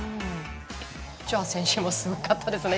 オチョア選手もすごかったですね